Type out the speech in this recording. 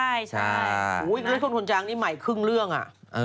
อีกเลือดขนจางนี้ใหม่คึ่งเรื่องอ่ะ